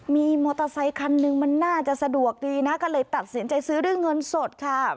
มีมอเตอร์ไซคันหนึ่งมันน่าจะสะดวกดีนะก็เลยตัดสินใจซื้อด้วยเงินสดค่ะ